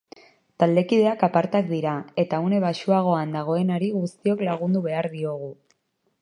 Taldekideak apartak dira, eta une baxuagoan dagoenari guztiok lagundu behar diogu.